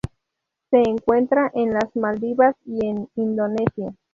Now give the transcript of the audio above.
Se encuentra en las Maldivas y en Indonesia.